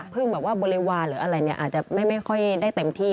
เพิ่งบริวารหรืออะไรอาจจะไม่ค่อยได้เต็มที่